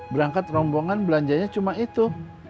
berangkat rombongan belanjanya cuma itu